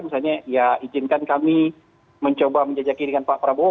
misalnya ya izinkan kami mencoba menjajakirkan pak prabowo